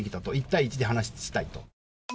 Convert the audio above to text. １対１で話したいと。